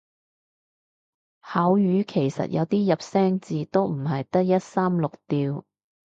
口語其實有啲入聲字都唔係得一三六調